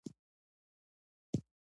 غازیان به پر انګریزانو غالب سوي وي.